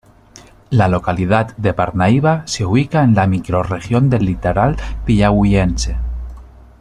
La localidad de Parnaíba se ubica en la microrregión del Litoral de Piauiense.